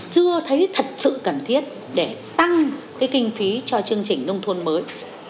chưa thấy thật sự cần thiết để tăng cái kinh phí cho chương trình nông thôn mới